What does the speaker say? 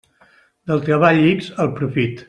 Del treball ix el profit.